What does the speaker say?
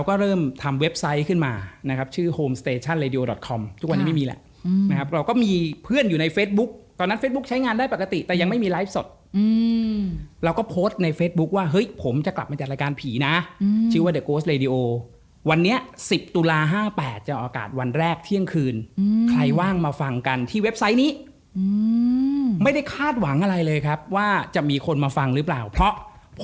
คือส่วนตัวผมผมคิดว่ามันเป็นอาชีพ